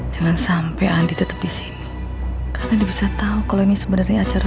jangan sampai andi tetep disini karena bisa tahu kalau ini sebenarnya acara